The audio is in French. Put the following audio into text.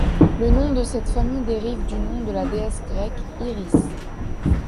Le nom de cette famille dérive du nom de la déesse grecque Iris.